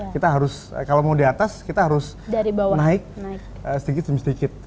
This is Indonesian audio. kita harus kalau mau di atas kita harus naik sedikit demi sedikit